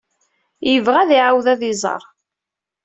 Yebɣa ad iɛawed ad ɣ-iẓer.